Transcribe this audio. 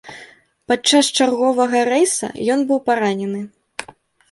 Падчас чарговага рэйса ён быў паранены.